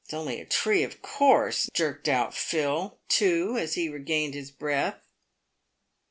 ^" It's only a tree, of course," jerked out Phil, too, as he regained bis breath.